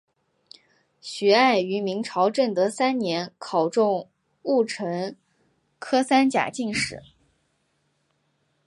徐爱于明朝正德三年考中戊辰科三甲进士。